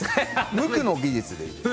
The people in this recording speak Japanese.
無垢の技術でいいです。